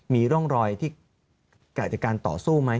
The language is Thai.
มีร่องรอยที่เกิดจากการต่อสู้ไหม